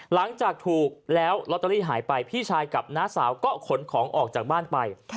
หลังจากถูกแล้วลอตเตอรี่หายไปพี่ชายกับน้าสาวก็ขนของออกจากบ้านไป